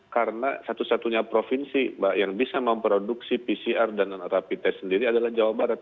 karena satu satunya provinsi yang bisa memproduksi pcr dan rapi test sendiri adalah jawa barat